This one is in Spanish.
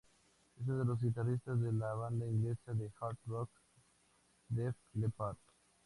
Es uno de los guitarristas de la banda inglesa de hard rock Def Leppard.